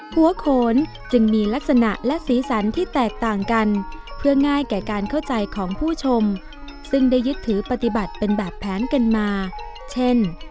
หัวโขนจึงมีลักษณะและสีสันที่แตกต่างกันเพื่อง่ายแก่การเข้าใจของผู้ชมซึ่งได้ยึดถือปฏิบัติเป็นแบบแผนกันมาเช่น